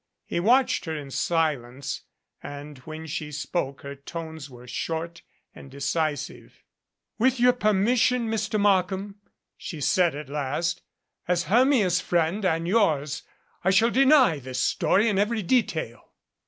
He watched her in silence, and when she spoke her tones were short and decisive. "With your permission, Mr. Markham," she said at last, "as Hermia's friend and yours, I shall deny this story in every detail.